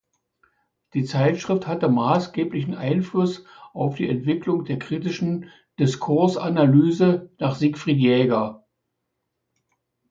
Die Zeitschrift hatte maßgeblichen Einfluss auf die Entwicklung der kritischen Diskursanalyse nach Siegfried Jäger.